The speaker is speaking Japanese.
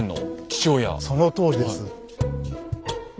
そのとおりです。